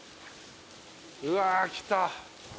うわ来た。